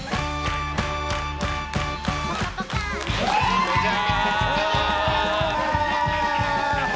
こんにちは！